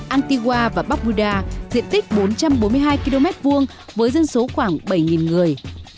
antigua và papua diện tích bốn trăm bốn mươi hai km hai với dân số khoảng bảy người